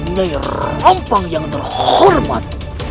nyanyi rampang yang terhormat